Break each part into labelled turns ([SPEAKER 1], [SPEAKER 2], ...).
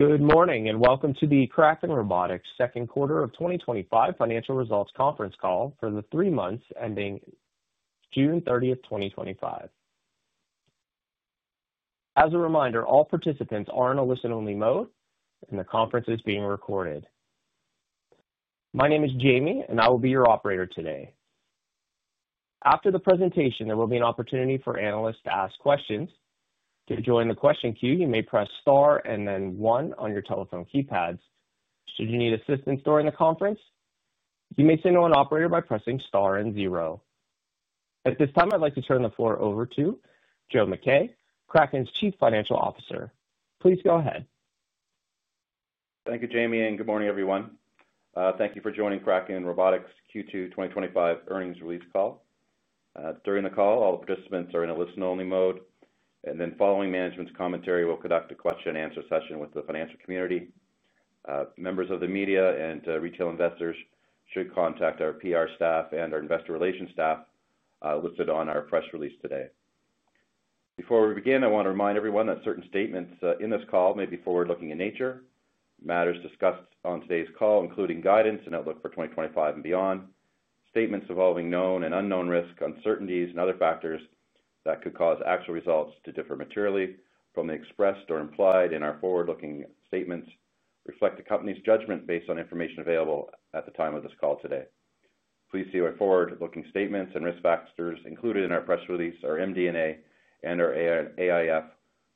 [SPEAKER 1] Good morning and welcome to the Kraken Robotics Second Quarter 2025 Financial Results Conference Call for the three months ending June 30, 2025. As a reminder, all participants are in a listen-only mode, and the conference is being recorded. My name is Jamie, and I will be your operator today. After the presentation, there will be an opportunity for analysts to ask questions. To join the question queue, you may press star and then one on your telephone keypads. Should you need assistance during the conference, you may signal an operator by pressing star and zero. At this time, I'd like to turn the floor over to Joe Mackay, Kraken's Chief Financial Officer. Please go ahead.
[SPEAKER 2] Thank you, Jamie, and good morning, everyone. Thank you for joining Kraken Robotics Q2 2025 earnings release call. During the call, all the participants are in a listen-only mode, and following management's commentary, we'll conduct a question-and-answer session with the financial community. Members of the media and retail investors should contact our PR staff and our investor relations staff listed on our press release today. Before we begin, I want to remind everyone that certain statements in this call may be forward-looking in nature. Matters discussed on today's call, including guidance and outlook for 2025 and beyond, statements involving known and unknown risk, uncertainties, and other factors that could cause actual results to differ materially from those expressed or implied in our forward-looking statements, reflect the company's judgment based on information available at the time of this call today. Please see our forward-looking statements and risk factors included in our press release, our MD&A, and our AIF,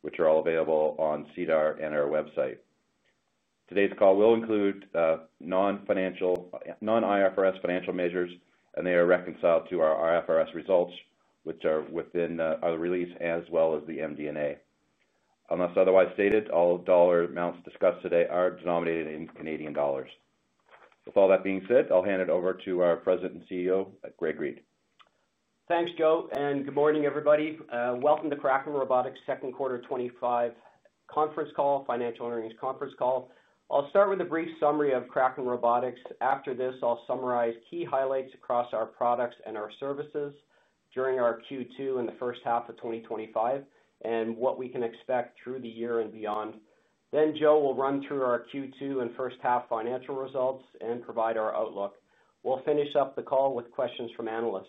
[SPEAKER 2] which are all available on SEDAR and our website. Today's call will include non-IFRS financial measures, and they are reconciled to our IFRS results, which are within our release as well as the MD&A. Unless otherwise stated, all dollar amounts discussed today are denominated in Canadian dollars. With all that being said, I'll hand it over to our President and CEO, Greg Reid.
[SPEAKER 3] Thanks, Joe, and good morning, everybody. Welcome to Kraken Robotics second quarter 2025 conference call, financial earnings conference call. I'll start with a brief summary of Kraken Robotics. After this, I'll summarize key highlights across our products and our services during our Q2 and the first half of 2025, and what we can expect through the year and beyond. Joe will run through our Q2 and first half financial results and provide our outlook. We'll finish up the call with questions from analysts.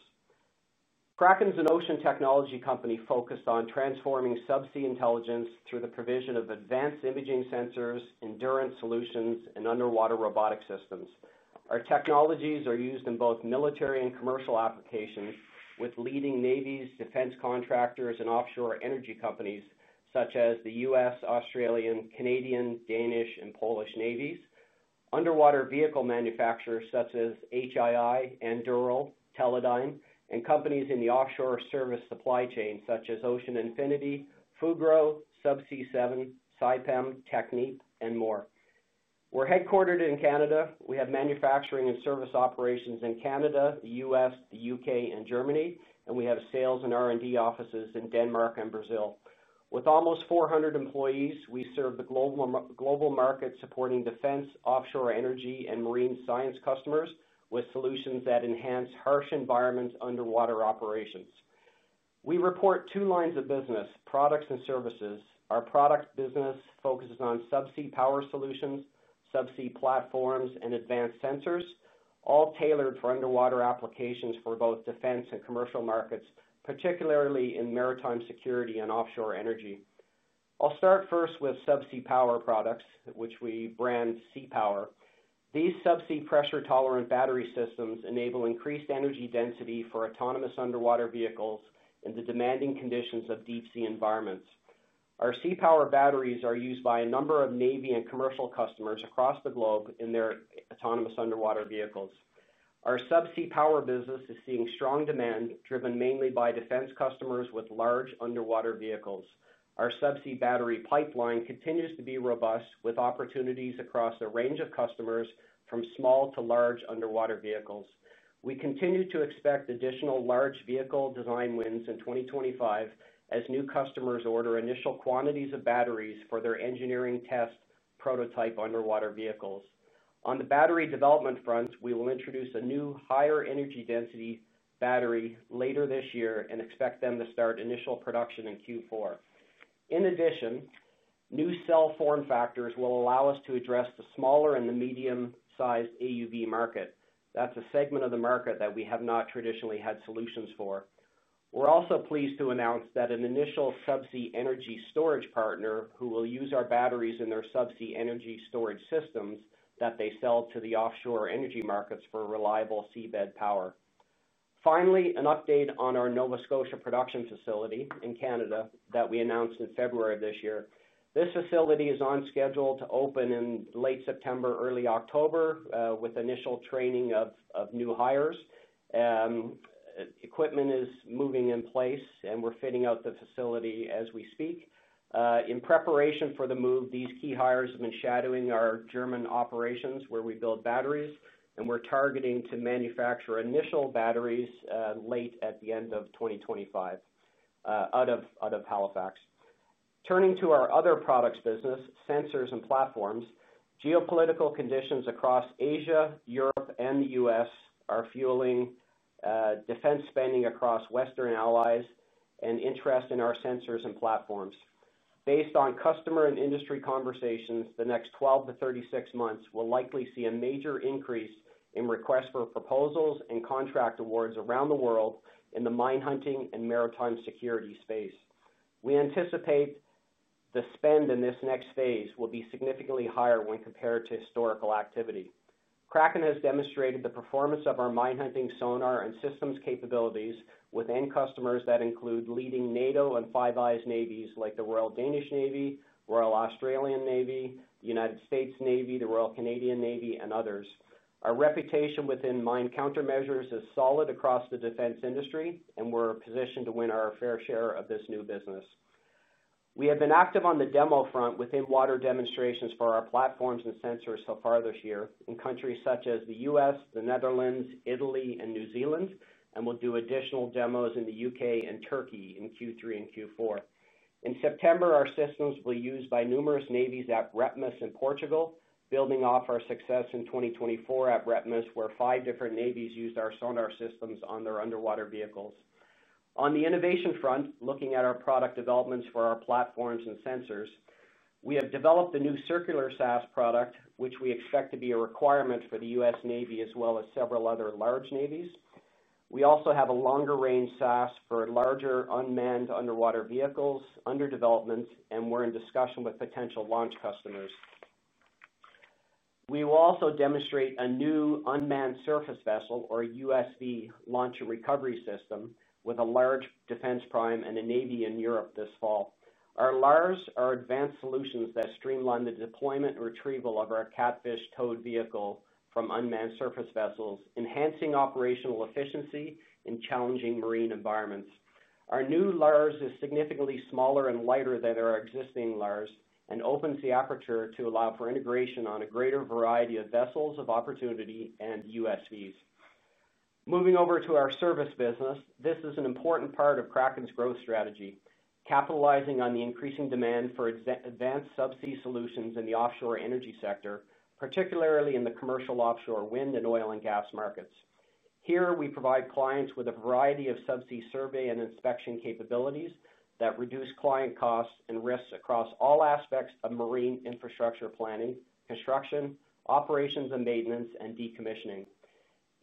[SPEAKER 3] Kraken's an ocean technology company focused on transforming subsea intelligence through the provision of advanced imaging sensors, endurance solutions, and underwater robotic systems. Our technologies are used in both military and commercial applications with leading navies, defense contractors, and offshore energy companies such as the U.S., Australian, Royal Canadian, Danish, and Polish Navies, underwater vehicle manufacturers such as HII, Endural, Teledyne, and companies in the offshore service supply chain such as Ocean Infinity, Fugro, Subsea7, Saipem, Technip, and more. We're headquartered in Canada. We have manufacturing and service operations in Canada, the U.S., the U.K., and Germany, and we have sales and R&D offices in Denmark and Brazil. With almost 400 employees, we serve the global market supporting defense, offshore energy, and marine science customers with solutions that enhance harsh environments underwater operations. We report two lines of business: products and services. Our product business focuses on subsea power solutions, subsea platforms, and advanced sensors, all tailored for underwater applications for both defense and commercial markets, particularly in maritime security and offshore energy. I'll start first with subsea power products, which we brand SeaPower. These subsea pressure-tolerant battery systems enable increased energy density for autonomous underwater vehicles in the demanding conditions of deep-sea environments. Our SeaPower batteries are used by a number of Navy and commercial customers across the globe in their autonomous underwater vehicles. Our subsea power business is seeing strong demand, driven mainly by defense customers with large underwater vehicles. Our subsea battery pipeline continues to be robust, with opportunities across a range of customers from small to large underwater vehicles. We continue to expect additional large vehicle design wins in 2025 as new customers order initial quantities of batteries for their engineering test prototype underwater vehicles. On the battery development front, we will introduce a new higher energy density battery later this year and expect them to start initial production in Q4. In addition, new cell form factors will allow us to address the smaller and the medium-sized AUV market. That's a segment of the market that we have not traditionally had solutions for. We're also pleased to announce that an initial subsea energy storage partner will use our batteries in their subsea energy storage systems that they sell to the offshore energy markets for reliable seabed power. Finally, an update on our Nova Scotia production facility in Canada that we announced in February of this year. This facility is on schedule to open in late September, early October, with initial training of new hires. Equipment is moving in place, and we're fitting out the facility as we speak. In preparation for the move, these key hires have been shadowing our German operations where we build batteries, and we're targeting to manufacture initial batteries late at the end of 2025 out of Halifax. Turning to our other products business, sensors and platforms, geopolitical conditions across Asia, Europe, and the U.S. are fueling defense spending across Western allies and interest in our sensors and platforms. Based on customer and industry conversations, the next 12-36 months will likely see a major increase in requests for proposals and contract awards around the world in the mine hunting and maritime security space. We anticipate the spend in this next phase will be significantly higher when compared to historical activity. Kraken has demonstrated the performance of our mine hunting sonar and systems capabilities with end customers that include leading NATO and Five Eyes Navies like the Royal Danish Navy, Royal Australian Navy, U.S. Navy, the Royal Canadian Navy, and others. Our reputation within mine countermeasures is solid across the defense industry, and we're positioned to win our fair share of this new business. We have been active on the demo front with in-water demonstrations for our platforms and sensors so far this year in countries such as the U.S., the Netherlands, Italy, and New Zealand, and we'll do additional demos in the U.K. and Turkey in Q3 and Q4. In September, our systems will be used by numerous navies at REPMUS in Portugal, building off our success in 2024 at REPMUS, where five different navies used our sonar systems on their underwater vehicles. On the innovation front, looking at our product developments for our platforms and sensors, we have developed a new circular SAS product, which we expect to be a requirement for the U.S. Navy as well as several other large navies. We also have a longer-range SAS for larger unmanned underwater vehicles under development, and we're in discussion with potential launch customers. We will also demonstrate a new unmanned surface vessel or a USV launch and recovery system with a large defense prime and a navy in Europe this fall. Our LARS are advanced solutions that streamline the deployment and retrieval of our KATFISH towed vehicle from unmanned surface vessels, enhancing operational efficiency in challenging marine environments. Our new LARS is significantly smaller and lighter than our existing LARS and opens the aperture to allow for integration on a greater variety of vessels of opportunity and USVs. Moving over to our service business, this is an important part of Kraken Robotics' growth strategy, capitalizing on the increasing demand for advanced subsea solutions in the offshore energy sector, particularly in the commercial offshore wind and oil and gas markets. Here, we provide clients with a variety of subsea survey and inspection capabilities that reduce client costs and risks across all aspects of marine infrastructure planning, construction, operations and maintenance, and decommissioning.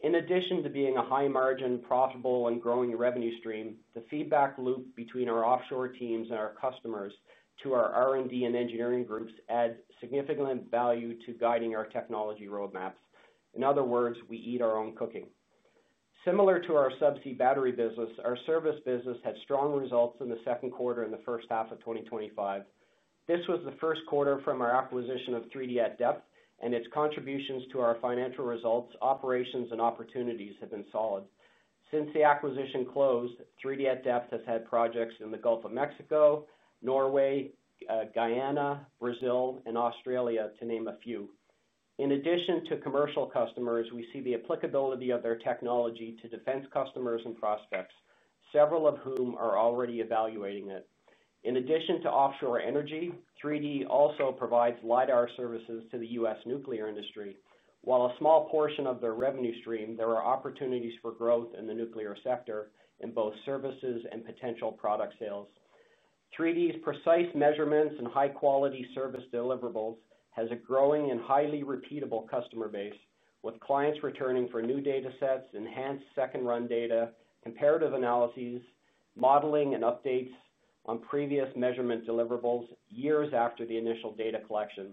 [SPEAKER 3] In addition to being a high-margin, profitable, and growing revenue stream, the feedback loop between our offshore teams and our customers to our R&D and engineering groups adds significant value to guiding our technology roadmaps. In other words, we eat our own cooking. Similar to our subsea battery business, our service business had strong results in the second quarter in the first half of 2025. This was the first quarter from our acquisition of 3D at Depth, and its contributions to our financial results, operations, and opportunities have been solid. Since the acquisition closed, 3D at Depth has had projects in the Gulf of Mexico, Norway, Guyana, Brazil, and Australia to name a few. In addition to commercial customers, we see the applicability of their technology to defense customers and prospects, several of whom are already evaluating it. In addition to offshore energy, 3D at Depth also provides LiDAR services to the U.S. nuclear industry. While a small portion of their revenue stream, there are opportunities for growth in the nuclear sector in both services and potential product sales. 3D at Depth's precise measurements and high-quality service deliverables have a growing and highly repeatable customer base, with clients returning for new data sets, enhanced second-run data, comparative analyses, modeling, and updates on previous measurement deliverables years after the initial data collection.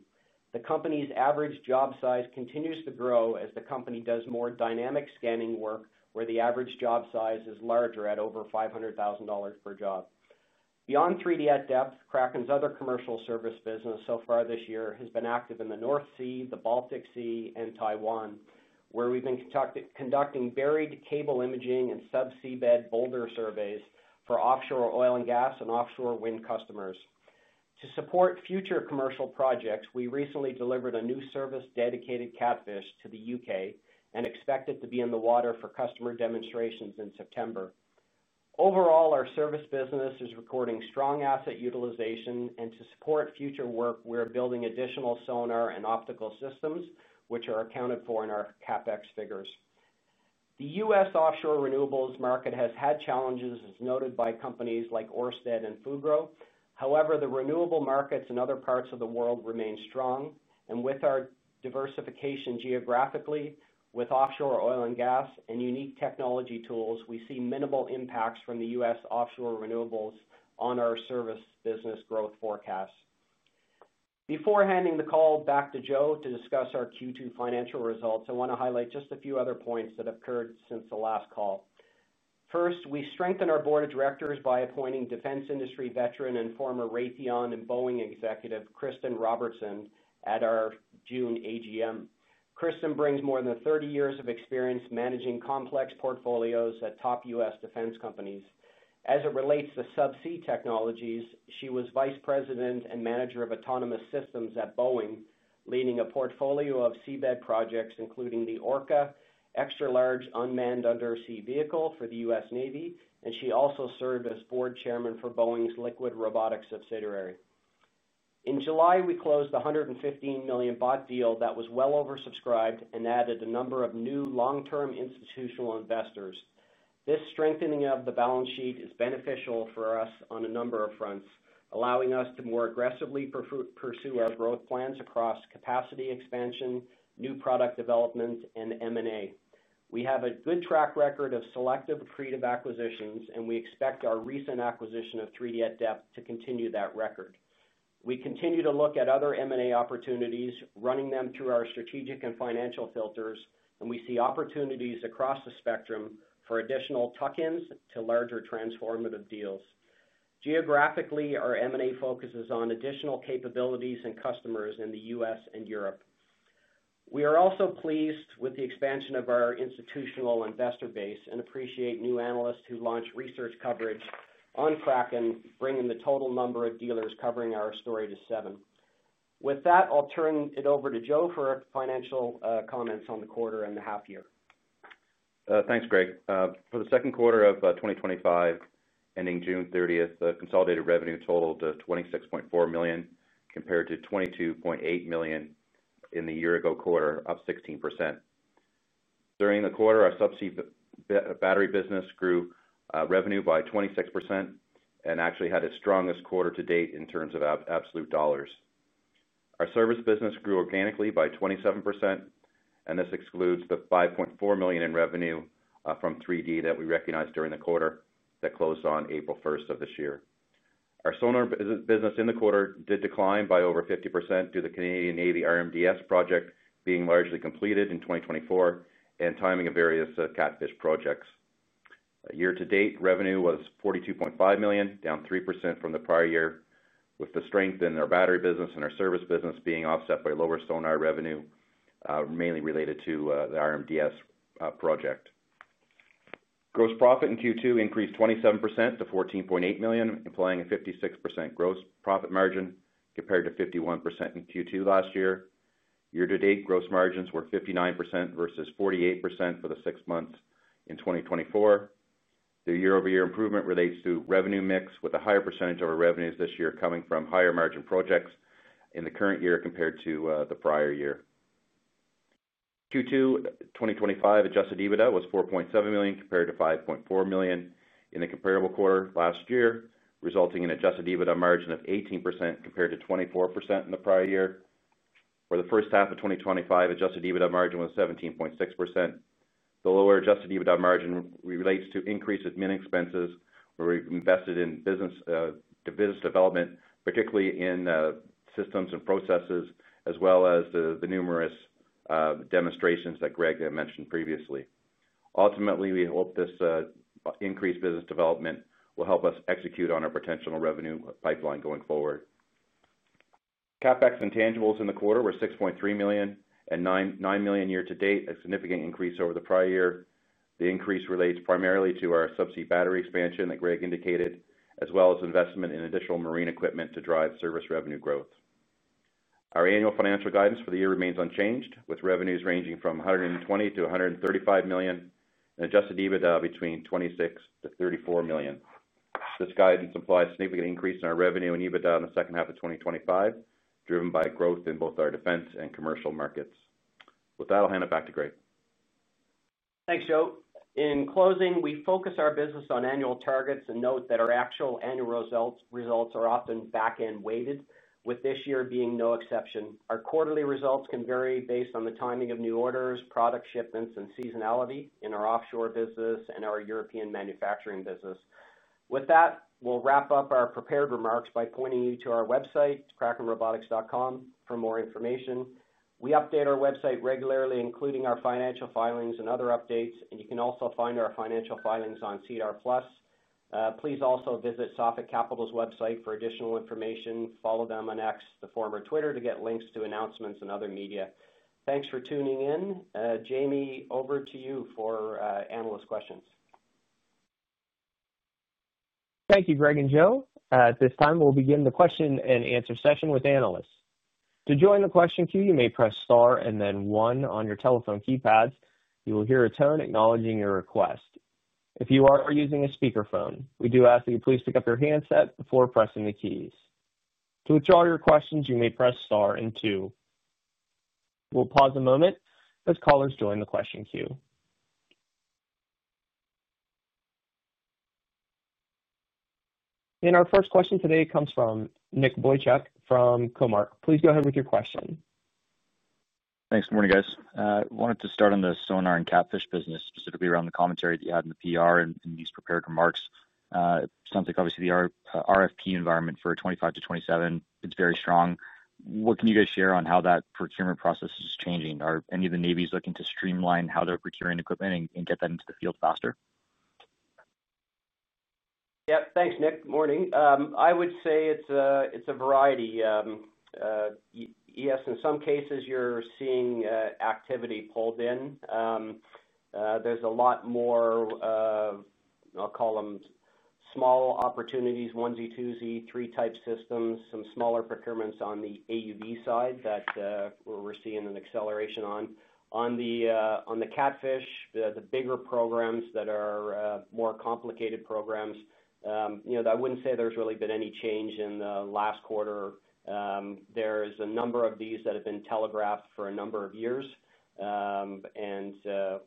[SPEAKER 3] The company's average job size continues to grow as the company does more dynamic scanning work, where the average job size is larger at over 500,000 dollars per job. Beyond 3D at Depth, Kraken Robotics' other commercial service business so far this year has been active in the North Sea, the Baltic Sea, and Taiwan, where we've been conducting buried cable imaging and subseabed boulder surveys for offshore oil and gas and offshore wind customers. To support future commercial projects, we recently delivered a new service-dedicated KATFISH to the U.K. and expect it to be in the water for customer demonstrations in September. Overall, our service business is recording strong asset utilization, and to support future work, we are building additional sonar and optical systems, which are accounted for in our CapEx figures. The U.S. offshore renewables market has had challenges, as noted by companies like Ørsted and Fugro. However, the renewable markets in other parts of the world remain strong, and with our diversification geographically, with offshore oil and gas and unique technology tools, we see minimal impacts from the U.S. offshore renewables on our service business growth forecast. Before handing the call back to Joe Mackay to discuss our Q2 financial results, I want to highlight just a few other points that have occurred since the last call. First, we strengthened our Board of Directors by appointing defense industry veteran and former Raytheon and Boeing executive Kristen Robertson at our June AGM. Kristen brings more than 30 years of experience managing complex portfolios at top U.S. defense companies. As it relates to subsea technologies, she was Vice President and Manager of Autonomous Systems at Boeing, leading a portfolio of seabed projects, including the Orca, extra-large unmanned undersea vehicle for the U.S. Navy, and she also served as Board Chairman for Boeing's Liquid Robotics subsidiary. In July, we closed the 115 million bought deal financing that was well oversubscribed and added a number of new long-term institutional investors. This strengthening of the balance sheet is beneficial for us on a number of fronts, allowing us to more aggressively pursue our growth plans across capacity expansion, new product developments, and M&A. We have a good track record of selective creative acquisitions, and we expect our recent acquisition of 3D at Depth to continue that record. We continue to look at other M&A opportunities, running them through our strategic and financial filters, and we see opportunities across the spectrum for additional tuck-ins to larger transformative deals. Geographically, our M&A focuses on additional capabilities and customers in the United States and Europe. We are also pleased with the expansion of our institutional investor base and appreciate new analysts who launch research coverage on Kraken Robotics, bringing the total number of dealers covering our story to seven. With that, I'll turn it over to Joe for financial comments on the quarter and the half year.
[SPEAKER 2] Thanks, Greg. For the second quarter of 2025, ending June 30, the consolidated revenue totaled 26.4 million compared to 22.8 million in the year-ago quarter, up 16%. During the quarter, our subsea battery business grew revenue by 26% and actually had its strongest quarter to date in terms of absolute dollars. Our service business grew organically by 27%, and this excludes the 5.4 million in revenue from 3D at Depth that we recognized during the quarter that closed on April 1 of this year. Our sonar business in the quarter did decline by over 50% due to the Royal Canadian Navy RMDS project being largely completed in 2024 and timing of various KATFISH projects. Year to date, revenue was 42.5 million, down 3% from the prior year, with the strength in our battery business and our service business being offset by lower sonar revenue, mainly related to the RMDS project. Gross profit in Q2 increased 27% to 14.8 million, implying a 56% gross profit margin compared to 51% in Q2 last year. Year to date, gross margins were 59% versus 48% for the six months in 2024. The year-over-year improvement relates to revenue mix with a higher percentage of our revenues this year coming from higher margin projects in the current year compared to the prior year. Q2 2025 adjusted EBITDA was 4.7 million compared to 5.4 million in the comparable quarter last year, resulting in an adjusted EBITDA margin of 18% compared to 24% in the prior year. For the first half of 2025, adjusted EBITDA margin was 17.6%. The lower adjusted EBITDA margin relates to increases in expenses where we've invested in business development, particularly in systems and processes, as well as the numerous demonstrations that Greg had mentioned previously. Ultimately, we hope this increased business development will help us execute on our potential revenue pipeline going forward. CapEx intangibles in the quarter were 6.3 million and 9 million year to date, a significant increase over the prior year. The increase relates primarily to our subsea battery expansion that Greg indicated, as well as investment in additional marine equipment to drive service revenue growth. Our annual financial guidance for the year remains unchanged, with revenues ranging from 120 million-135 million and adjusted EBITDA between 26 million-34 million. This guidance implies a significant increase in our revenue and EBITDA in the second half of 2025, driven by growth in both our defense and commercial markets. With that, I'll hand it back to Greg.
[SPEAKER 3] Thanks, Joe. In closing, we focus our business on annual targets and note that our actual annual results are often back-end weighted, with this year being no exception. Our quarterly results can vary based on the timing of new orders, product shipments, and seasonality in our offshore business and our European manufacturing business. With that, we'll wrap up our prepared remarks by pointing you to our website, krakenrobotics.com, for more information. We update our website regularly, including our financial filings and other updates, and you can also find our financial filings on SEDAR+. Please also visit Safi Capital's website for additional information. Follow them on X, the former Twitter, to get links to announcements and other media. Thanks for tuning in. Jamie, over to you for analyst questions.
[SPEAKER 1] Thank you, Greg and Joe. At this time, we'll begin the question and answer session with analysts. To join the question queue, you may press star and then one on your telephone keypads. You will hear a tone acknowledging your request. If you are using a speakerphone, we do ask that you please pick up your handset before pressing the keys. To withdraw your questions, you may press star and two. We'll pause a moment as callers join the question queue. Our first question today comes from Nick Boychuk from Cormark Securities. Please go ahead with your question.
[SPEAKER 4] Thanks. Good morning, guys. I wanted to start on the sonar and KATFISH business, specifically around the commentary that you had in the PR and these prepared remarks. It sounds like obviously the RFP environment for 2025 to 2027, it's very strong. What can you guys share on how that procurement process is changing? Are any of the navies looking to streamline how they're procuring equipment and get that into the field faster?
[SPEAKER 3] Yep. Thanks, Nick. Morning. I would say it's a variety. Yes, in some cases, you're seeing activity pulled in. There's a lot more, I'll call them small opportunities, onesie, twosie, three-type systems, some smaller procurements on the AUV side that we're seeing an acceleration on. On the KATFISH, the bigger programs that are more complicated programs, I wouldn't say there's really been any change in the last quarter. There's a number of these that have been telegraphed for a number of years. There's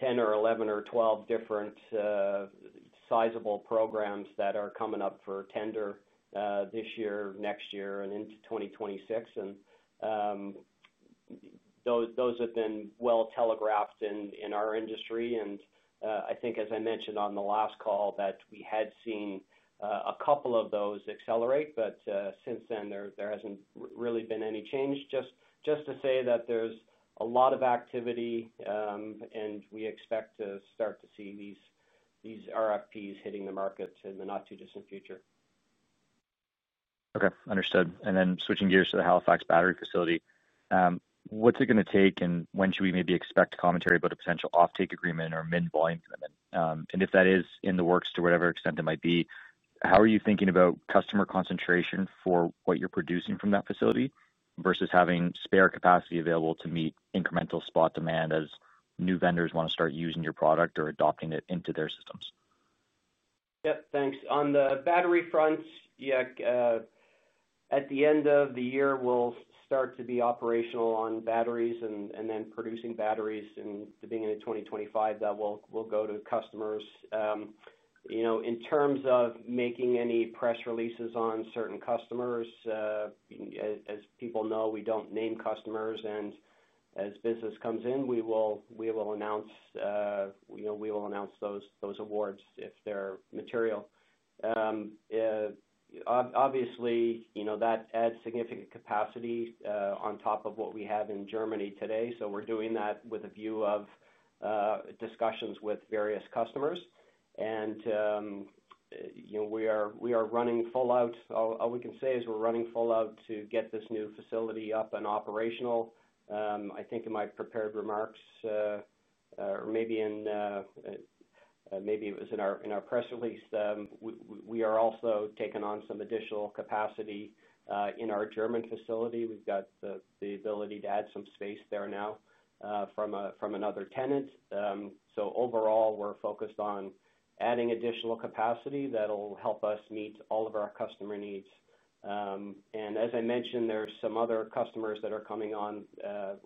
[SPEAKER 3] 10 or 11 or 12 different sizable programs that are coming up for tender this year, next year, and into 2026. Those have been well telegraphed in our industry. I think, as I mentioned on the last call, that we had seen a couple of those accelerate, but since then, there hasn't really been any change. Just to say that there's a lot of activity, and we expect to start to see these RFPs hitting the market in the not-too-distant future.
[SPEAKER 4] Okay, understood. Switching gears to the Halifax battery facility, what's it going to take, and when should we maybe expect commentary about a potential offtake agreement or minimum volume commitment? If that is in the works, to whatever extent it might be, how are you thinking about customer concentration for what you're producing from that facility versus having spare capacity available to meet incremental spot demand as new vendors want to start using your product or adopting it into their systems?
[SPEAKER 3] Yep, thanks. On the battery front, yeah, at the end of the year, we'll start to be operational on batteries and then producing batteries. Being in 2025, that will go to customers. In terms of making any press releases on certain customers, as people know, we don't name customers. As business comes in, we will announce those awards if they're material. Obviously, that adds significant capacity on top of what we have in Germany today. We are doing that with a view of discussions with various customers. We are running full out. All we can say is we're running full out to get this new facility up and operational. I think in my prepared remarks, or maybe it was in our press release, we are also taking on some additional capacity in our German facility. We've got the ability to add some space there now from another tenant. Overall, we're focused on adding additional capacity that'll help us meet all of our customer needs. As I mentioned, there are some other customers that are coming on.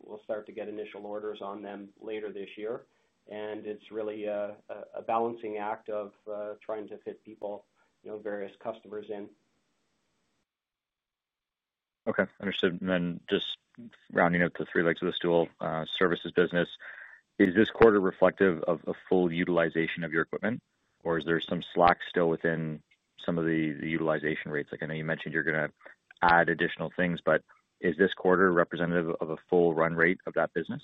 [SPEAKER 3] We'll start to get initial orders on them later this year. It's really a balancing act of trying to fit people, various customers in.
[SPEAKER 4] Okay, understood. Just rounding out the three legs of the stool, services business, is this quarter reflective of a full utilization of your equipment, or is there some slack still within some of the utilization rates? I know you mentioned you're going to add additional things, but is this quarter representative of a full run rate of that business?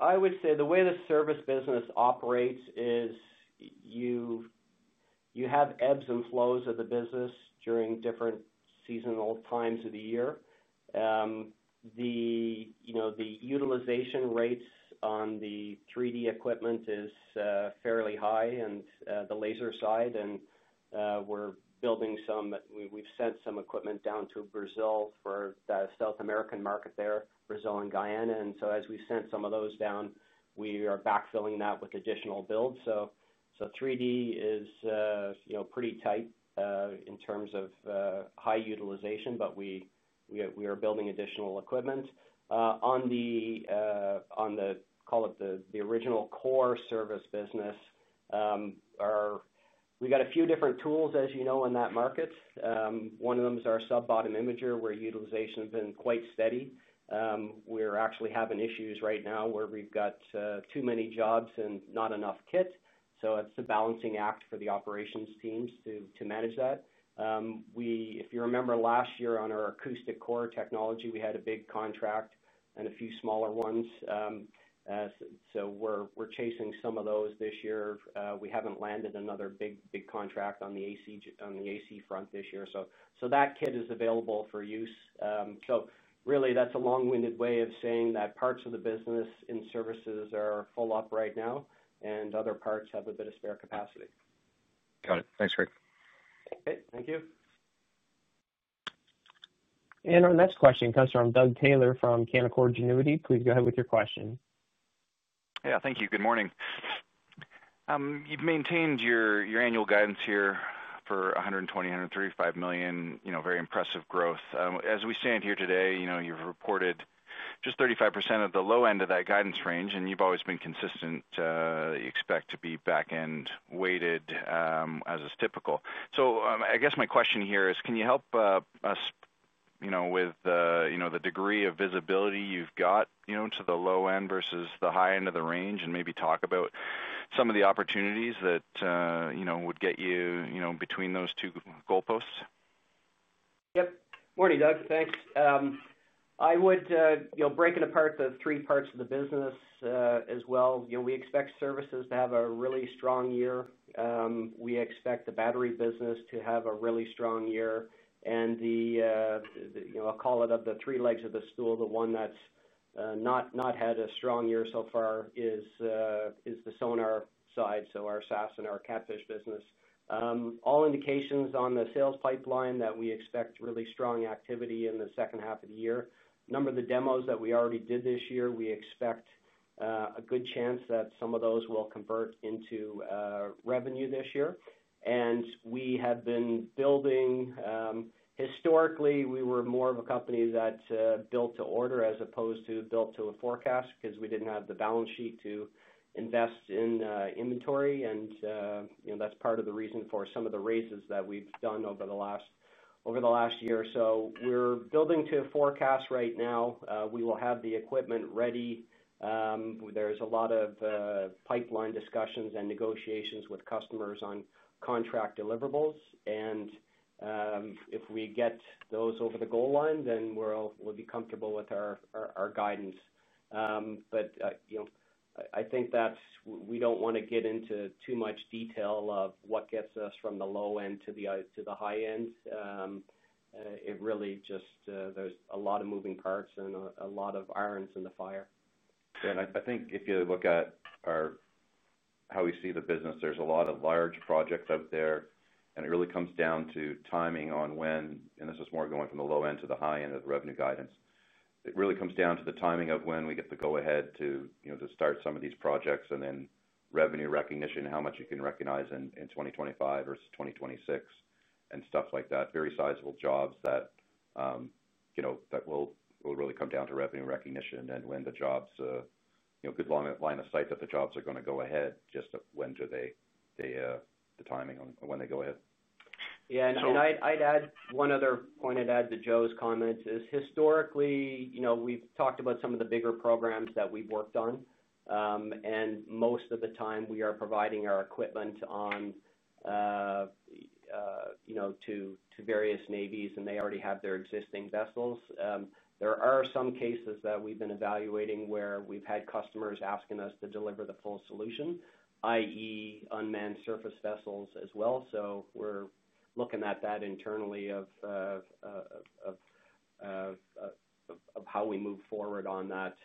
[SPEAKER 3] I would say the way the service business operates is you have ebbs and flows of the business during different seasonal times of the year. The utilization rates on the 3D at Depth equipment are fairly high on the laser side, and we're building some. We've sent some equipment down to Brazil for the South American market there, Brazil and Guyana. As we've sent some of those down, we are backfilling that with additional builds. 3D at Depth is pretty tight in terms of high utilization, but we are building additional equipment. On the, call it the original core service business, we've got a few different tools, as you know, in that market. One of them is our Sub-Bottom Imager, where utilization has been quite steady. We're actually having issues right now where we've got too many jobs and not enough kit. It's a balancing act for the operations teams to manage that. If you remember last year on our Acoustic Corer technology, we had a big contract and a few smaller ones. We're chasing some of those this year. We haven't landed another big, big contract on the Acoustic Corer front this year. That kit is available for use. Really, that's a long-winded way of saying that parts of the business in services are full up right now, and other parts have a bit of spare capacity.
[SPEAKER 4] Got it. Thanks, Greg.
[SPEAKER 3] Okay, thank you.
[SPEAKER 1] Our next question comes from Doug Taylor from Canaccord Genuity. Please go ahead with your question.
[SPEAKER 5] Yeah, thank you. Good morning. You've maintained your annual guidance here for 120 million-135 million, very impressive growth. As we stand here today, you've reported just 35% of the low end of that guidance range, and you've always been consistent. You expect to be back-end weighted as is typical. I guess my question here is, can you help us with the degree of visibility you've got to the low end versus the high end of the range, and maybe talk about some of the opportunities that would get you between those two goalposts?
[SPEAKER 3] Morning, Doug. Thanks. I would break it apart, the three parts of the business as well. We expect services to have a really strong year. We expect the battery business to have a really strong year. Of the three legs of the stool, the one that's not had a strong year so far is the sonar side, so our synthetic aperture sonar and our KATFISH business. All indications on the sales pipeline are that we expect really strong activity in the second half of the year. A number of the demos that we already did this year, we expect a good chance that some of those will convert into revenue this year. We have been building—historically, we were more of a company that built to order as opposed to built to a forecast because we didn't have the balance sheet to invest in inventory. That's part of the reason for some of the raises that we've done over the last year or so. We're building to a forecast right now. We will have the equipment ready. There's a lot of pipeline discussions and negotiations with customers on contract deliverables. If we get those over the goal line, then we'll be comfortable with our guidance. I think that we don't want to get into too much detail of what gets us from the low end to the high end. It really just, there's a lot of moving parts and a lot of irons in the fire.
[SPEAKER 2] Yeah, I think if you look at how we see the business, there's a lot of large projects out there, and it really comes down to timing on when, and this is more going from the low end to the high end of the revenue guidance. It really comes down to the timing of when we get the go-ahead to start some of these projects and then revenue recognition and how much you can recognize in 2025 versus 2026 and stuff like that. Very sizable jobs that will really come down to revenue recognition and when the jobs, you know, good line of sight that the jobs are going to go ahead, just when do they, the timing on when they go ahead.
[SPEAKER 3] Yeah, and I'd add one other point. I'd add to Joe Mackay's comments is historically, you know, we've talked about some of the bigger programs that we've worked on. Most of the time, we are providing our equipment to various navies, and they already have their existing vessels. There are some cases that we've been evaluating where we've had customers asking us to deliver the full solution, i.e., unmanned surface vessels as well. We're looking at that internally, how we move forward on that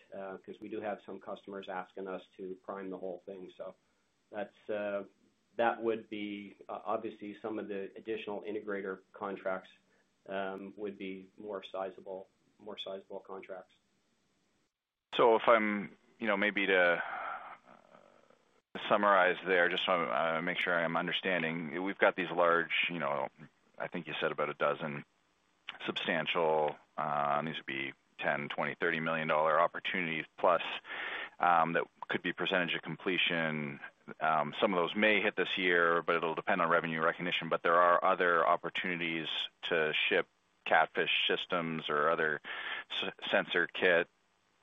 [SPEAKER 3] because we do have some customers asking us to prime the whole thing. That would be obviously some of the additional integrator contracts would be more sizable contracts.
[SPEAKER 5] If I'm, you know, maybe to summarize there, just want to make sure I'm understanding. We've got these large, you know, I think you said about a dozen substantial, and these would be 10 million, 20 million, 30 million dollar opportunities plus that could be percentage of completion. Some of those may hit this year, but it'll depend on revenue recognition. There are other opportunities to ship KATFISH systems or other sensor kit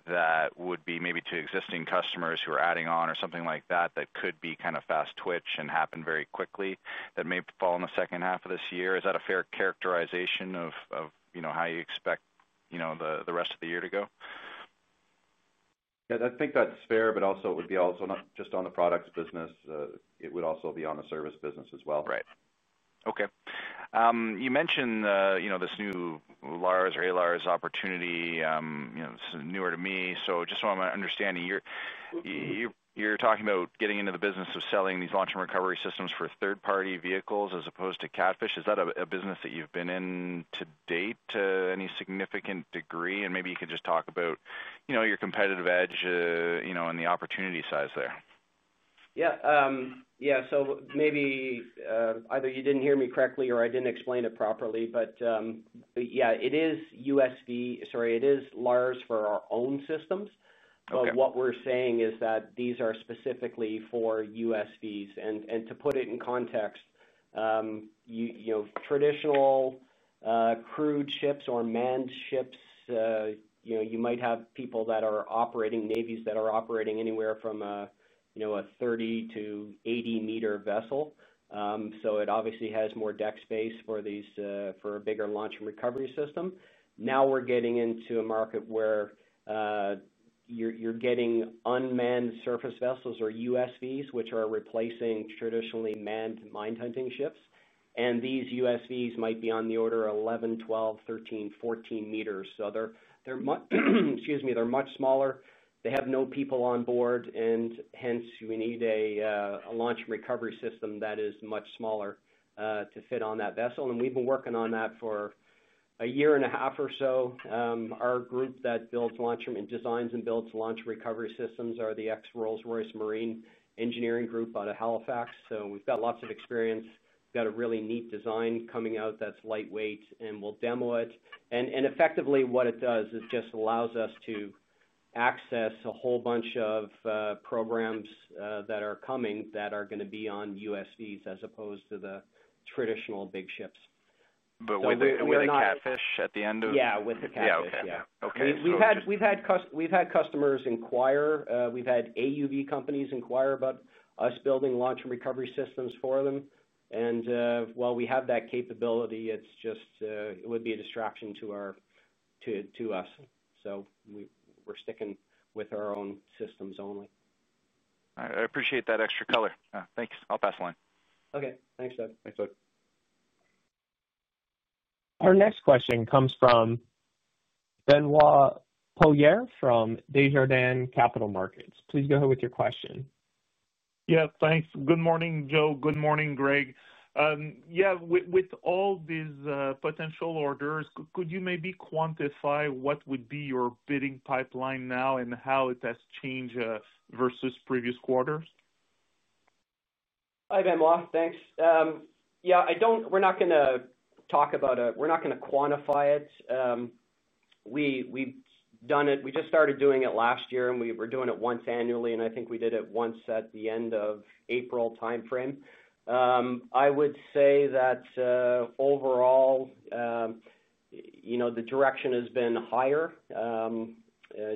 [SPEAKER 5] that would be maybe to existing customers who are adding on or something like that that could be kind of fast twitch and happen very quickly that may fall in the second half of this year. Is that a fair characterization of, you know, how you expect, you know, the rest of the year to go?
[SPEAKER 2] Yeah, I think that's fair, it would also be not just on the products business. It would also be on the service business as well.
[SPEAKER 5] Right. Okay. You mentioned, you know, this new LARS or ALARS opportunity, you know, this is newer to me. Just so I'm understanding, you're talking about getting into the business of selling these launch and recovery systems for third-party vehicles as opposed to KATFISH. Is that a business that you've been in to date to any significant degree? Maybe you could just talk about, you know, your competitive edge, you know, and the opportunity size there.
[SPEAKER 3] Yeah, maybe either you didn't hear me correctly or I didn't explain it properly, but yeah, it is USV, sorry, it is LARS for our own systems. What we're saying is that these are specifically for USVs. To put it in context, traditional crewed ships or manned ships, you might have people that are operating, navies that are operating anywhere from a 30 meter-80 meter vessel. It obviously has more deck space for these, for a bigger launch and recovery system. Now we're getting into a market where you're getting unmanned surface vessels or USVs, which are replacing traditionally manned mine-tending ships. These USVs might be on the order of 11 meters, 12 meters, 13 meters, 14 meters. They're much smaller. They have no people on board, and hence we need a launch and recovery system that is much smaller to fit on that vessel. We've been working on that for a year and a half or so. Our group that designs and builds launch and recovery systems are the ex-Rolls-Royce Marine Engineering Group out of Halifax. We've got lots of experience. We've got a really neat design coming out that's lightweight, and we'll demo it. Effectively, what it does is just allows us to access a whole bunch of programs that are coming that are going to be on USVs as opposed to the traditional big ships.
[SPEAKER 5] With the KATFISH at the end of?
[SPEAKER 3] Yeah, with the KATFISH.
[SPEAKER 5] Yeah, okay.
[SPEAKER 3] We've had customers inquire. We've had AUV companies inquire about us building launch and recovery systems for them. While we have that capability, it would be a distraction to us. We're sticking with our own systems only.
[SPEAKER 5] I appreciate that extra color. Thanks. I'll pass the line.
[SPEAKER 3] Okay, thanks, Doug.
[SPEAKER 2] Thanks, Doug.
[SPEAKER 1] Our next question comes from Benoit Poirier from Desjardins Capital Markets. Please go ahead with your question.
[SPEAKER 6] Yeah, thanks. Good morning, Joe. Good morning, Greg. Yeah, with all these potential orders, could you maybe quantify what would be your bidding pipeline now and how it has changed versus previous quarters?
[SPEAKER 3] Hi, Benoit. Thanks. Yeah, I don't, we're not going to talk about it. We're not going to quantify it. We've done it. We just started doing it last year, and we were doing it once annually, and I think we did it once at the end of April timeframe. I would say that overall, you know, the direction has been higher,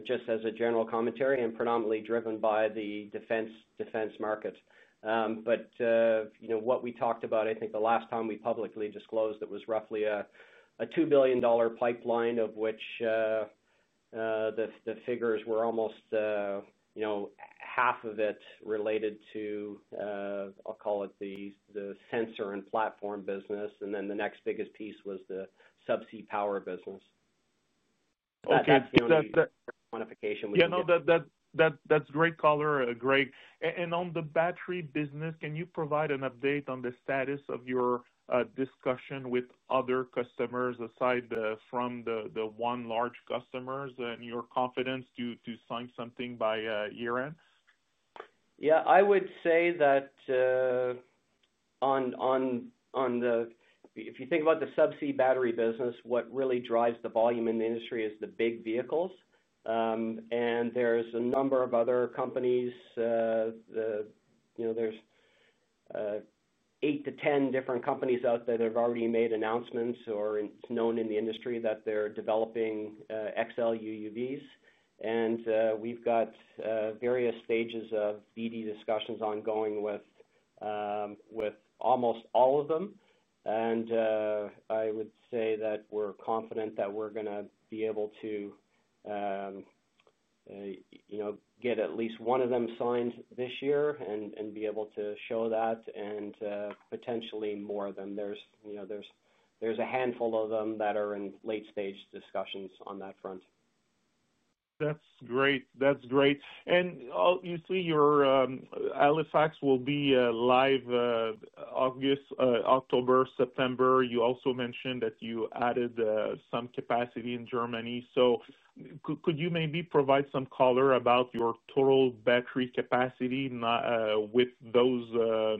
[SPEAKER 3] just as a general commentary and predominantly driven by the defense market. What we talked about, I think the last time we publicly disclosed it was roughly a 2 billion dollar pipeline, of which the figures were almost, you know, half of it related to, I'll call it the sensor and platform business. The next biggest piece was the subsea power business.
[SPEAKER 6] Okay. Yeah, no, that's great color, Greg. On the battery business, can you provide an update on the status of your discussion with other customers aside from the one large customer and your confidence to sign something by year-end?
[SPEAKER 3] I would say that on the, if you think about the subsea battery business, what really drives the volume in the industry is the big vehicles. There's a number of other companies, you know, there's eight to ten different companies out there that have already made announcements or it's known in the industry that they're developing XL UUVs. We've got various stages of DD discussions ongoing with almost all of them. I would say that we're confident that we're going to be able to get at least one of them signed this year and be able to show that and potentially more of them. There's a handful of them that are in late-stage discussions on that front.
[SPEAKER 6] That's great. Obviously, your Halifax will be live August, October, September. You also mentioned that you added some capacity in Germany. Could you maybe provide some color about your total battery capacity with those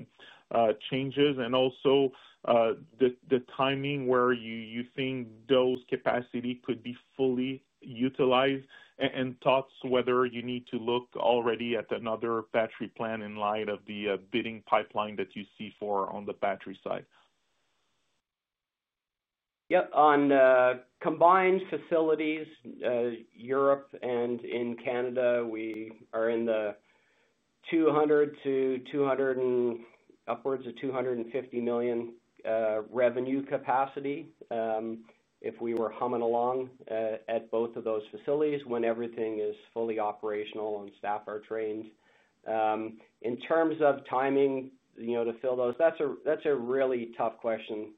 [SPEAKER 6] changes and also the timing where you think those capacities could be fully utilized and thoughts whether you need to look already at another battery plan in light of the bidding pipeline that you see for on the battery side?
[SPEAKER 3] Yep. On combined facilities, Europe and in Canada, we are in the 200 million-250 million revenue capacity if we were humming along at both of those facilities when everything is fully operational and staff are trained. In terms of timing, to fill those, that's a really tough question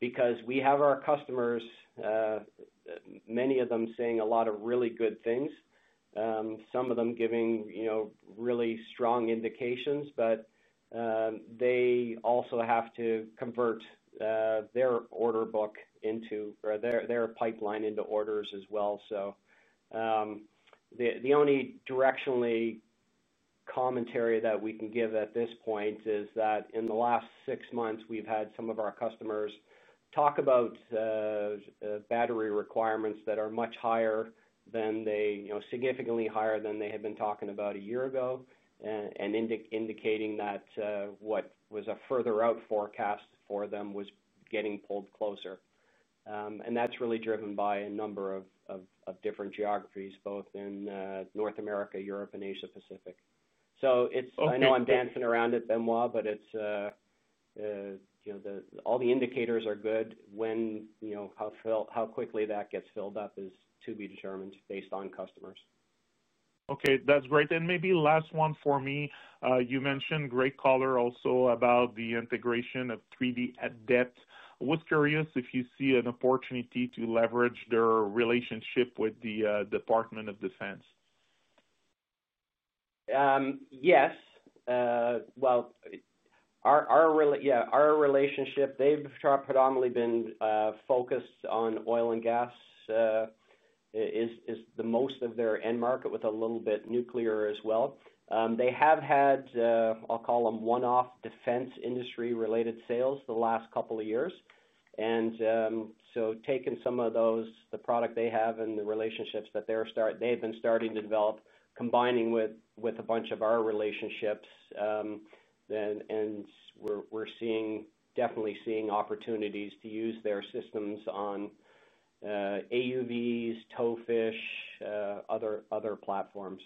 [SPEAKER 3] because we have our customers, many of them saying a lot of really good things, some of them giving really strong indications, but they also have to convert their order book or their pipeline into orders as well. The only directionally commentary that we can give at this point is that in the last six months, we've had some of our customers talk about battery requirements that are much higher than they, significantly higher than they had been talking about a year ago and indicating that what was a further out forecast for them was getting pulled closer. That's really driven by a number of different geographies, both in North America, Europe, and Asia-Pacific. I know I'm dancing around it, Benoit, but it's, all the indicators are good. How quickly that gets filled up is to be determined based on customers.
[SPEAKER 6] Okay, that's great. Maybe last one for me. You mentioned great color also about the integration of 3D at Depth. I was curious if you see an opportunity to leverage their relationship with the Department of Defense.
[SPEAKER 3] Yes. Our relationship, they've predominantly been focused on oil and gas as most of their end market, with a little bit nuclear as well. They have had, I'll call them one-off defense industry-related sales the last couple of years. Taking some of those, the product they have and the relationships that they're starting, they've been starting to develop, combining with a bunch of our relationships. We're definitely seeing opportunities to use their systems on AUVs, tow fish, other platforms.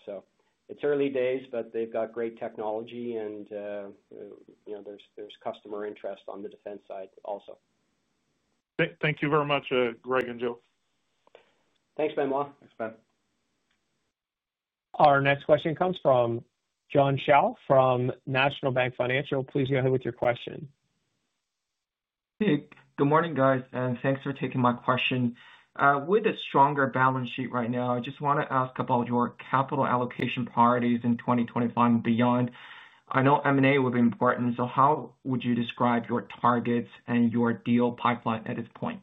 [SPEAKER 3] It's early days, but they've got great technology and, you know, there's customer interest on the defense side also.
[SPEAKER 6] Thank you very much, Greg and Joe.
[SPEAKER 3] Thanks, Benoit.
[SPEAKER 2] Thanks, Ben.
[SPEAKER 1] Our next question comes from John Shao from National Bank Financial. Please go ahead with your question.
[SPEAKER 7] Hey, good morning, guys, and thanks for taking my question. With a stronger balance sheet right now, I just want to ask about your capital allocation priorities in 2025 and beyond. I know M&A will be important, so how would you describe your targets and your deal pipeline at this point?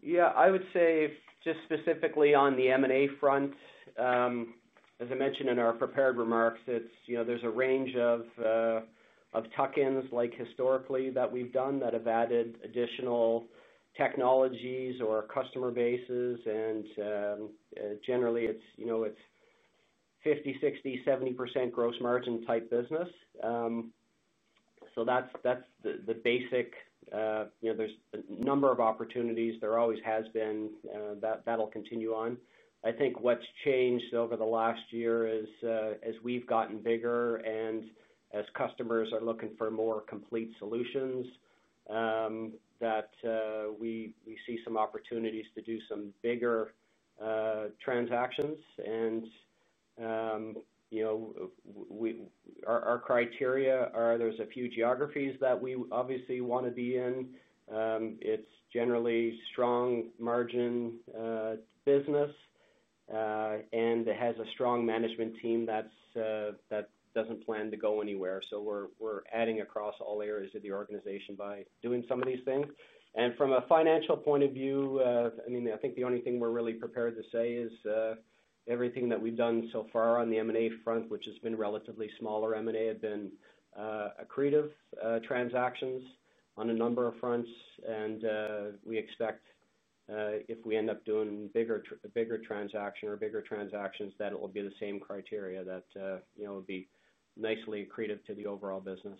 [SPEAKER 3] Yeah, I would say just specifically on the M&A front, as I mentioned in our prepared remarks, it's, you know, there's a range of tuck-ins like historically that we've done that have added additional technologies or customer bases. Generally, it's, you know, it's 50%, 60%, 70% gross margin type business. That's the basic, you know, there's a number of opportunities. There always has been. That'll continue on. I think what's changed over the last year is as we've gotten bigger and as customers are looking for more complete solutions, we see some opportunities to do some bigger transactions. Our criteria are, there's a few geographies that we obviously want to be in. It's generally strong margin business and it has a strong management team that doesn't plan to go anywhere. We're adding across all areas of the organization by doing some of these things. From a financial point of view, I mean, I think the only thing we're really prepared to say is everything that we've done so far on the M&A front, which has been relatively smaller. M&A had been accretive transactions on a number of fronts. We expect if we end up doing bigger transactions, that it will be the same criteria that, you know, would be nicely accretive to the overall business.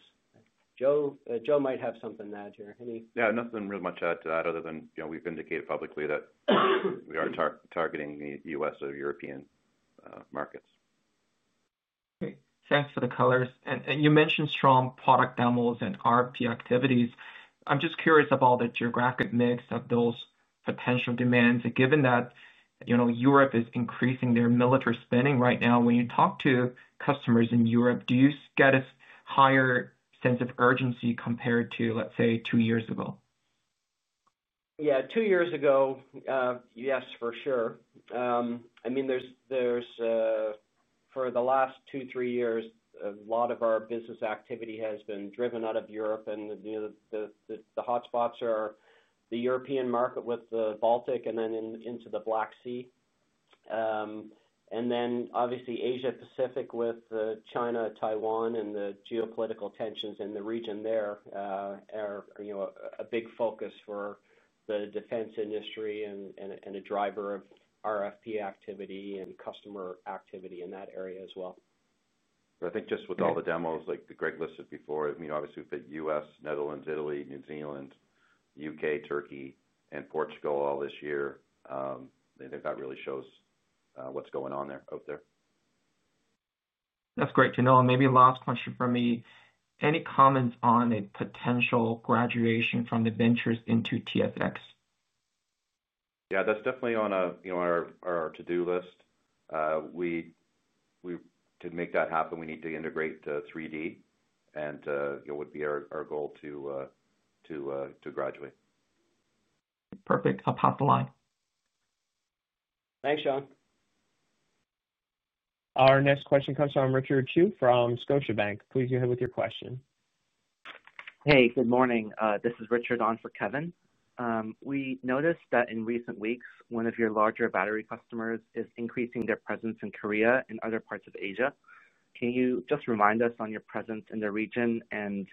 [SPEAKER 3] Joe might have something to add here. Any.
[SPEAKER 2] Yeah, nothing really much to add to that other than, you know, we've indicated publicly that we are targeting the U.S. or European markets.
[SPEAKER 7] Okay, thanks for the colors. You mentioned strong product demos and R&D activities. I'm just curious about the geographic mix of those potential demands. Given that, you know, Europe is increasing their military spending right now, when you talk to customers in Europe, do you get a higher sense of urgency compared to, let's say, two years ago?
[SPEAKER 3] Yeah, two years ago, yes, for sure. I mean, for the last two, three years, a lot of our business activity has been driven out of Europe. The hotspots are the European market with the Baltic and then into the Black Sea. Obviously, Asia-Pacific with China, Taiwan, and the geopolitical tensions in the region there are a big focus for the defense industry and a driver of RFP activity and customer activity in that area as well.
[SPEAKER 2] I think just with all the demos like Greg listed before, I mean, obviously we've had U.S., Netherlands, Italy, New Zealand, U.K., Turkey, and Portugal all this year. I think that really shows what's going on there out there.
[SPEAKER 7] That's great to know. Maybe last question for me, any comments on a potential graduation from the ventures into TSX?
[SPEAKER 2] Yeah, that's definitely on our to-do list. To make that happen, we need to integrate to 3D at Depth, and it would be our goal to graduate.
[SPEAKER 7] Perfect. I'll pass the line.
[SPEAKER 3] Thanks, Sean.
[SPEAKER 1] Our next question comes from Richard Chu from Scotiabank. Please go ahead with your question.
[SPEAKER 8] Hey, good morning. This is Richard on for Kevin. We noticed that in recent weeks, one of your larger battery customers is increasing their presence in Korea and other parts of Asia. Can you just remind us on your presence in the region and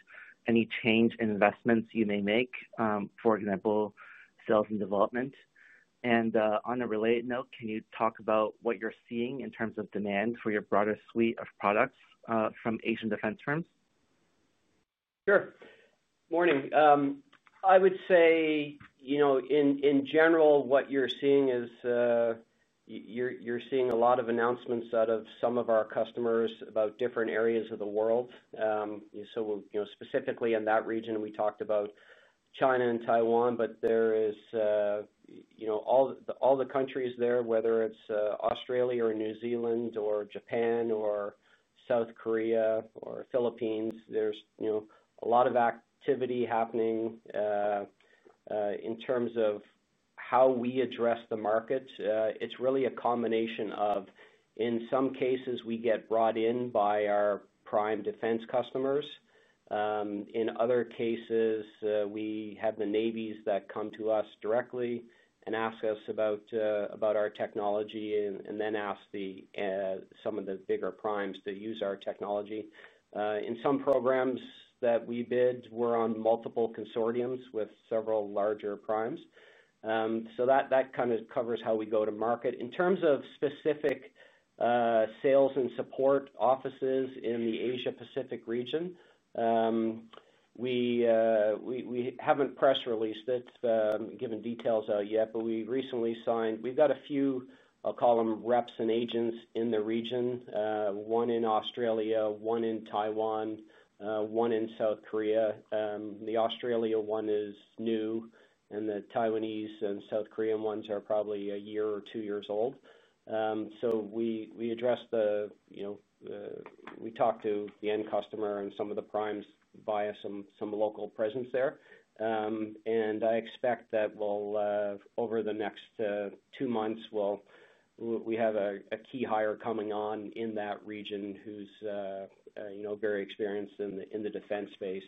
[SPEAKER 8] any change in investments you may make, for example, sales and development? On a related note, can you talk about what you're seeing in terms of demand for your broader suite of products from Asian defense firms?
[SPEAKER 3] Sure. Morning. I would say, you know, in general, what you're seeing is you're seeing a lot of announcements out of some of our customers about different areas of the world. Specifically in that region, we talked about China and Taiwan, but there is, you know, all the countries there, whether it's Australia or New Zealand or Japan or South Korea or the Philippines, there's a lot of activity happening in terms of how we address the market. It's really a combination of, in some cases, we get brought in by our prime defense customers. In other cases, we have the navies that come to us directly and ask us about our technology and then ask some of the bigger primes to use our technology. In some programs that we bid, we're on multiple consortiums with several larger primes. That kind of covers how we go to market. In terms of specific sales and support offices in the Asia-Pacific region, we haven't press released it, given details out yet, but we recently signed, we've got a few, I'll call them reps and agents in the region, one in Australia, one in Taiwan, one in South Korea. The Australia one is new, and the Taiwanese and South Korean ones are probably a year or two years old. We address the, you know, we talk to the end customer and some of the primes via some local presence there. I expect that over the next two months, we have a key hire coming on in that region who's very experienced in the defense space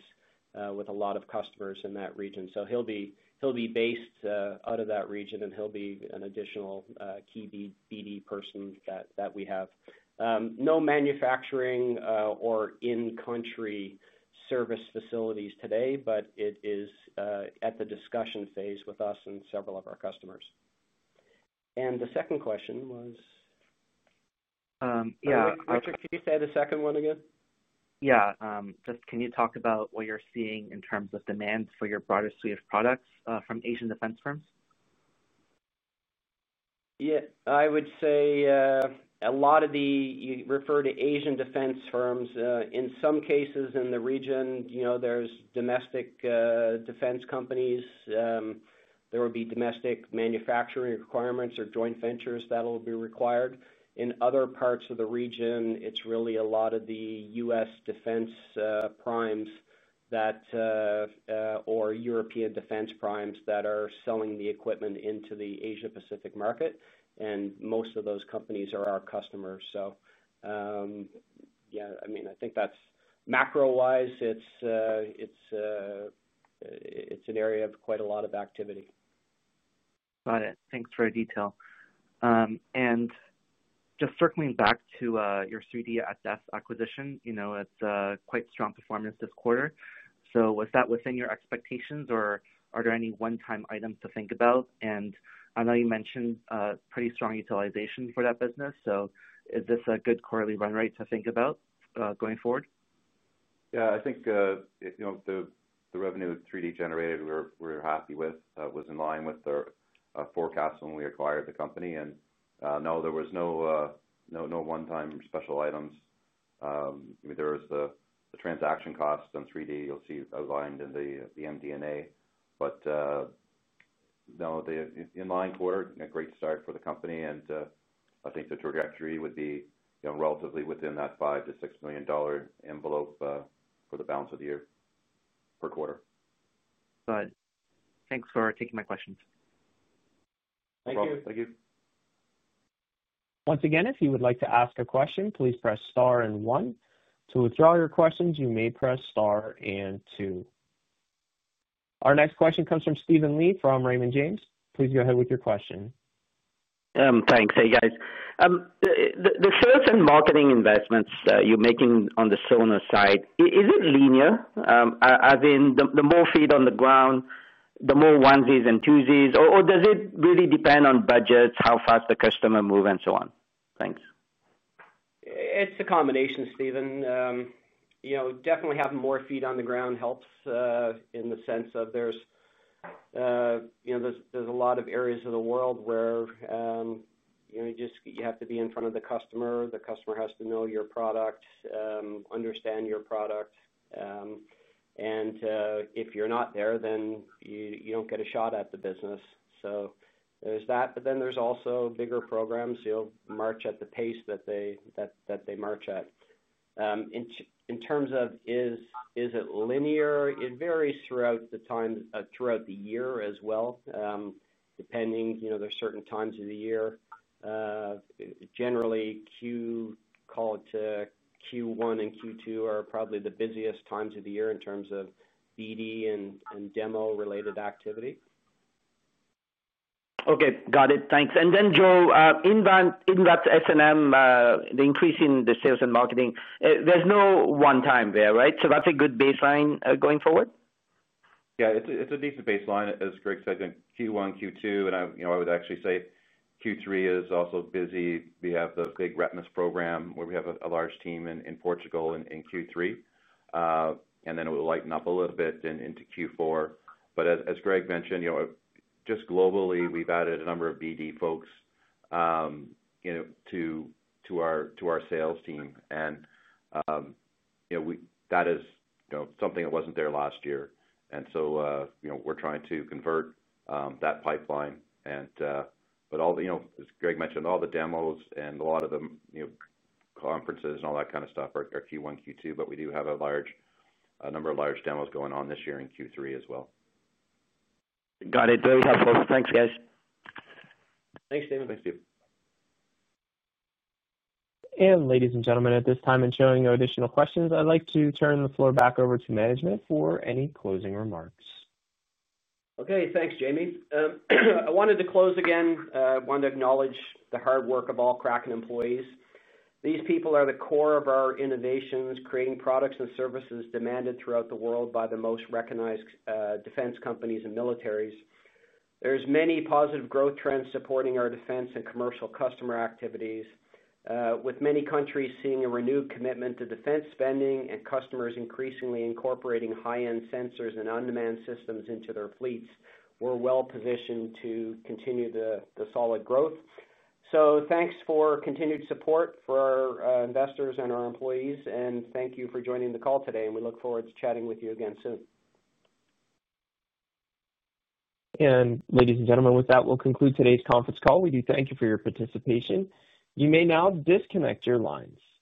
[SPEAKER 3] with a lot of customers in that region. He'll be based out of that region, and he'll be an additional key BD person that we have. No manufacturing or in-country service facilities today, but it is at the discussion phase with us and several of our customers. The second question was, yeah, Arthur, can you say the second one again?
[SPEAKER 8] Yeah, can you talk about what you're seeing in terms of demand for your broader suite of products from Asian defense firms?
[SPEAKER 3] I would say a lot of the, you refer to Asian defense firms. In some cases in the region, you know, there's domestic defense companies. There will be domestic manufacturing requirements or joint ventures that will be required. In other parts of the region, it's really a lot of the U.S. defense primes or European defense primes that are selling the equipment into the Asia-Pacific market. Most of those companies are our customers. I think that's macro-wise, it's an area of quite a lot of activity.
[SPEAKER 8] Got it. Thanks for your detail. Just circling back to your 3D at Depth acquisition, it's quite strong performance this quarter. Was that within your expectations, or are there any one-time items to think about? I know you mentioned pretty strong utilization for that business. Is this a good quarterly run rate to think about going forward?
[SPEAKER 2] Yeah, I think, you know, the revenue 3D at Depth generated, we're happy with, was in line with the forecast when we acquired the company. No, there was no one-time special items. I mean, there is the transaction cost on 3D at Depth you'll see outlined in the MD&A. No, the inline quarter, a great start for the company. I think the trajectory would be relatively within that 5 million-6 million dollar envelope for the balance of the year per quarter.
[SPEAKER 8] Got it. Thanks for taking my questions.
[SPEAKER 3] Thank you.
[SPEAKER 2] Thank you.
[SPEAKER 1] Once again, if you would like to ask a question, please press star and one. To withdraw your questions, you may press star and two. Our next question comes from Steven Li from Raymond James. Please go ahead with your question.
[SPEAKER 9] Thanks. Hey guys, the sales and marketing investments you're making on the sonar side, is it linear? As in the more feet on the ground, the more onesies and twosies, or does it really depend on budgets, how fast the customer moves, and so on? Thanks.
[SPEAKER 3] It's a combination, Steven. Definitely having more feet on the ground helps in the sense of there's a lot of areas of the world where you just have to be in front of the customer. The customer has to know your product, understand your product. If you're not there, then you don't get a shot at the business. There's that, but then there's also bigger programs that march at the pace that they march at. In terms of is it linear, it varies throughout the time, throughout the year as well, depending. There's certain times of the year. Generally, Q1 and Q2 are probably the busiest times of the year in terms of BD and demo-related activity.
[SPEAKER 9] Okay, got it. Thanks. Joe, in that S&M, the increase in the sales and marketing, there's no one-time there, right? That's a good baseline going forward?
[SPEAKER 2] Yeah, it's a decent baseline. As Greg said, in Q1, Q2, and I would actually say Q3 is also busy. We have the big RETNAS program where we have a large team in Portugal in Q3. It will lighten up a little bit into Q4. As Greg mentioned, just globally, we've added a number of BD folks to our sales team. That is something that wasn't there last year. We're trying to convert that pipeline. As Greg mentioned, all the demos and a lot of the conferences and all that kind of stuff are Q1, Q2. We do have a number of large demos going on this year in Q3 as well.
[SPEAKER 9] Got it. Very helpful. Thanks, guys.
[SPEAKER 3] Thanks, Steven.
[SPEAKER 2] Thanks to you.
[SPEAKER 1] Ladies and gentlemen, at this time, in showing no additional questions, I'd like to turn the floor back over to management for any closing remarks.
[SPEAKER 3] Okay, thanks, Jamie. I wanted to close again. I wanted to acknowledge the hard work of all Kraken employees. These people are the core of our innovations, creating products and services demanded throughout the world by the most recognized defense companies and militaries. There are many positive growth trends supporting our defense and commercial customer activities, with many countries seeing a renewed commitment to defense spending and customers increasingly incorporating high-end sensors and unmanned systems into their fleets. We're well positioned to continue the solid growth. Thanks for continued support for our investors and our employees. Thank you for joining the call today. We look forward to chatting with you again soon.
[SPEAKER 1] Ladies and gentlemen, with that, we'll conclude today's conference call. We do thank you for your participation. You may now disconnect your lines.